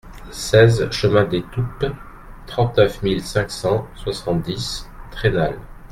seize chemin des Toupes, trente-neuf mille cinq cent soixante-dix Trenal